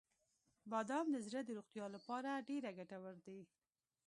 • بادام د زړه د روغتیا لپاره ډیره ګټور دی.